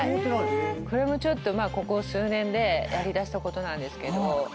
これもちょっとここ数年でやりだしたことなんですけど。